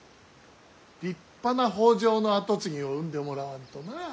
立派な北条の跡継ぎを産んでもらわんとな。